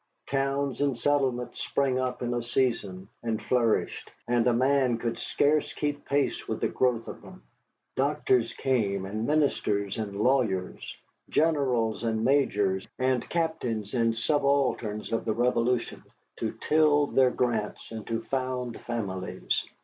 Towns and settlements sprang up in a season and flourished, and a man could scarce keep pace with the growth of them. Doctors came, and ministers, and lawyers; generals and majors, and captains and subalterns of the Revolution, to till their grants and to found families.